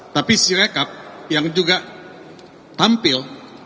tapi sirekap yang juga tampil